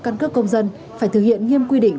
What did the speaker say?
căn cước công dân phải thực hiện nghiêm quy định